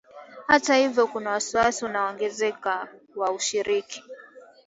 Hata hivyo kuna wasiwasi unaoongezeka wa ushiriki